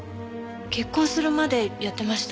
結婚するまでやってました。